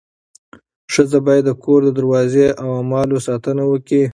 ښځه باید د کور د دروازې او اموالو ساتنه وکړي.